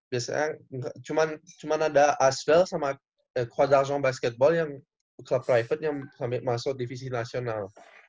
biasanya cuma ada asvel sama kodaljong basketball yang club privet yang sampai masuk divisi nasional